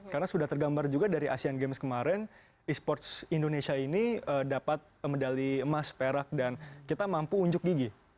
karena sudah tergambar juga dari asean games kemarin esports indonesia ini dapat medali emas perak dan kita mampu unjuk gigi